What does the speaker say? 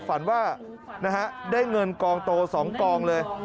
ฝันว่านะฮะได้เงินกองโต๒กองเลย